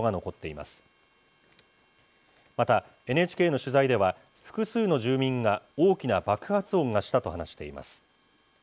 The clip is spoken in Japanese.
またＮＨＫの取材では、複数の住民が、大きな爆発音がしたと話しています。